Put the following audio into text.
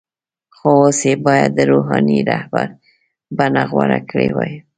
خو اوس یې باید د “روحاني رهبر” بڼه غوره کړې وای.